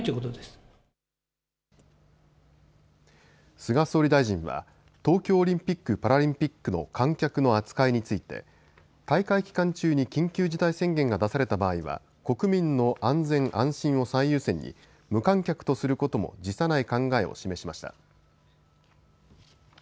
菅総理大臣は東京オリンピック・パラリンピックの観客の扱いについて大会期間中に緊急事態宣言が出された場合は国民の安全・安心を最優先に無観客とすることも辞さない考えを示しました。